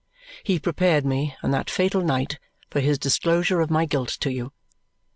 He prepared me, on that fatal night, for his disclosure of my guilt to you.